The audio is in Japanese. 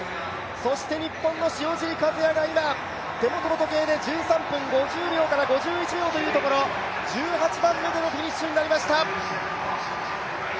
そして日本の塩尻和也が今、手元の時計で１３分５０秒から５１秒というところ１８番目でのフィニッシュになりました。